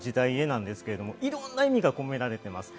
なんですが、いろんな意味が込められています。